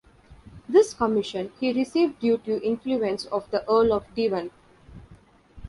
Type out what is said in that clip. This commission he received due to the influence of the Earl of Devon.